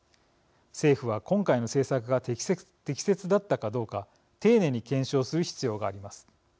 政府は今回の政策が適切だったかどうか丁寧に検証する必要があります。